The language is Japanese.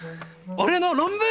俺の論文！